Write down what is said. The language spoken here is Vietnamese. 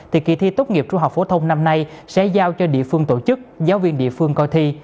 thì kỳ thi tốt nghiệp trung học phổ thông năm nay sẽ giao cho địa phương tổ chức giáo viên địa phương coi thi